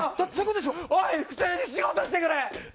おい普通に仕事してくれ！